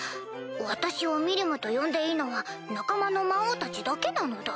私をミリムと呼んでいいのは仲間の魔王たちだけなのだ。